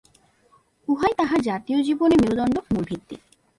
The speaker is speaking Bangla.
উহাই তাহার জাতীয় জীবনের মেরুদণ্ড, মূলভিত্তি।